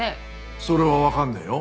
それはわかんねえよ。